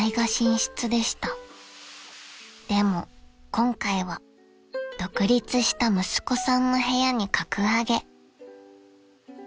［でも今回は独立した息子さんの部屋に格上げ］